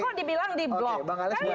kok dibilang di blok